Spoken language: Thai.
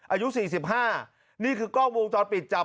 อายุ๔๕นี่คือกล้องวงจรปิดจับ